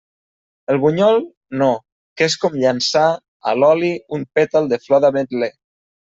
El bunyol, no, que és com llançar a l'oli un pètal de flor d'ametler.